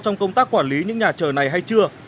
trong công tác quản lý những nhà chờ này hay chưa